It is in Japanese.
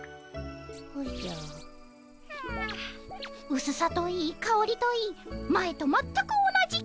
うすさといいかおりといい前と全く同じ！